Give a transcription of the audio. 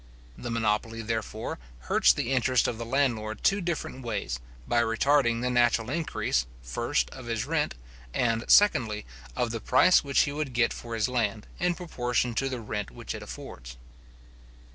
The monopoly, therefore, hurts the interest of the landlord two different ways, by retarding the natural increase, first, of his rent, and, secondly, of the price which he would get for his land, in proportion to the rent which it affords.